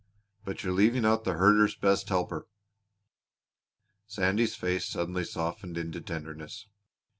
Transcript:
But you're leaving out the shepherd's best helper." Sandy's face suddenly softened into tenderness.